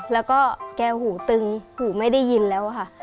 แล้วก็แกหูตึงหูไม่ได้ยินแล้วค่ะ